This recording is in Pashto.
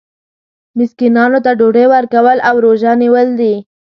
مسکینانو ته ډوډۍ ورکول او روژه نیول دي.